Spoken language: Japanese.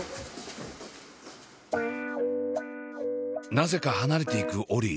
なぜか離れていくオリィ。